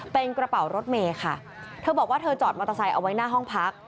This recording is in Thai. เป็นกระเป๋ารถเมย์ค่ะเธอบอกว่าเธอจอดมอเตอร์ไซค์เอาไว้หน้าห้องพัก